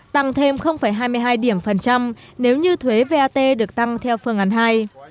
tăng thêm hai mươi hai điểm phần trăm nếu như thuế vat được tăng theo phương án hai